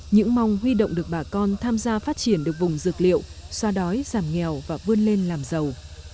những mong huy động được bà con tham gia phát triển được vùng dược liệu xoa đói giảm nghèo và vươn lên làm giàu